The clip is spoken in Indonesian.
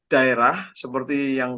daerah seperti yang